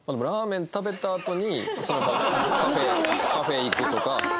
ラーメン食べたあとにカフェ行くとか。